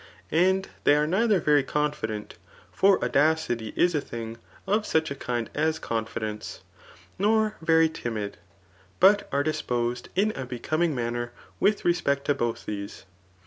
And they are neither very confident ; for audacity is a thing of such a kind as confidence ; nor very timid, but are disposed in a becoming manner with respect to both these.